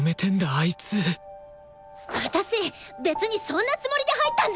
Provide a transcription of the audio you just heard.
あいつ私別にそんなつもりで入ったんじゃ。